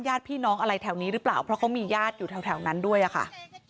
ญาติพี่น้องอะไรแถวนี้หรือเปล่าเพราะเขามีญาติอยู่แถวนั้นด้วยอะค่ะ